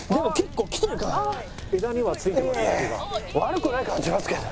悪くない感じしますけどね。